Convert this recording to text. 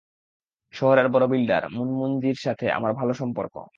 শহরের বড় বিল্ডার, মুনমুন জীর সাথে, আমার ভালো সম্পর্ক।